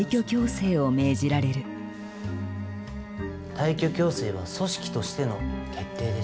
退去強制は組織としての決定です。